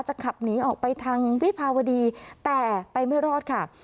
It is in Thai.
ขับหนีออกไปทางวิภาวดีแต่ไปไม่รอดค่ะ